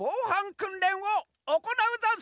くんれんをおこなうざんす！